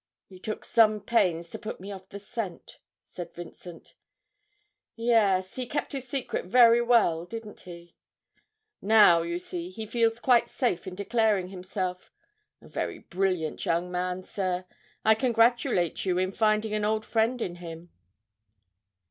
'He took some pains to put me off the scent,' said Vincent. 'Yes; he kept his secret very well, didn't he? Now, you see, he feels quite safe in declaring himself a very brilliant young man, sir. I congratulate you in finding an old friend in him.'